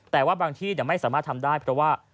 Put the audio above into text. แต่ว่าบางที่ไม่สามารถทำได้เพราะว่า